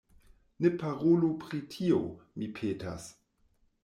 Ne parolu pri tio, mi petas.